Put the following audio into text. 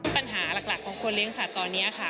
ปัญหาหลักของคนเลี้ยงสัตว์ตอนนี้ค่ะ